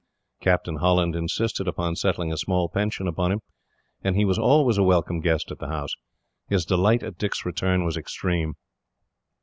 Captain Holland insisted upon settling a small pension upon him, and he was always a welcome guest at the house. His delight at Dick's return was extreme.